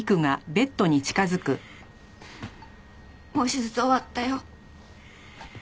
もう手術終わったよ。